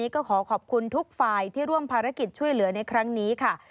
ก็ขอขอบคุณทุกฝ่ายที่ร่วมภารกิจช่วยเหลือในครั้งนี้ค่ะ